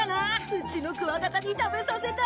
うちのクワガタに食べさせたい。